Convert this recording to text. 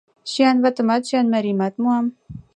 Сӱанватымат, сӱанмарийымат муам.